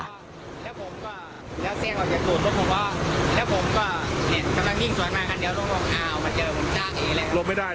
แล้วผมก็แล้วเสียงออกจากตรงนี้